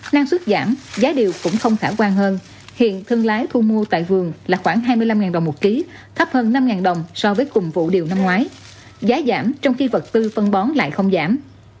năng suất giảm giá điều cũng không khả quan hơn hiện thương lái thu mua tại vườn là khoảng hai mươi năm đồng một ký thấp hơn năm đồng so với cùng vụ điều năm ngoái giá giảm trong khi vật tư phân bón lại không giảm